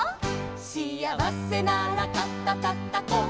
「しあわせなら肩たたこう」「」